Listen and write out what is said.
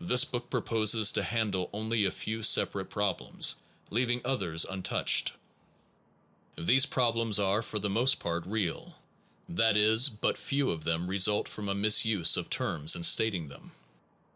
This book proposes to handle only a few separate problems, leaving others untouched. These problems are for the most part real; that is, but few of them result from a misuse Nature of of terms in stating them.